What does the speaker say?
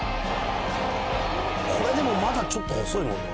これでもまだちょっと細いもんね。